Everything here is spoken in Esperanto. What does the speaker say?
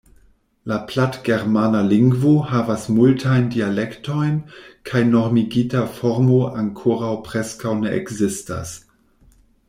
La platgermana lingvo havas multajn dialektojn kaj normigita formo ankoraŭ preskaŭ ne ekzistas.